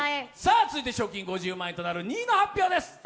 さあ続いて賞金５０万円となる２位の発表です。